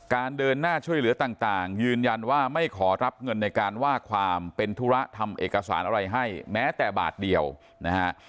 เดินหน้าช่วยเหลือต่างยืนยันว่าไม่ขอรับเงินในการว่าความเป็นธุระทำเอกสารอะไรให้แม้แต่บาทเดียวนะฮะ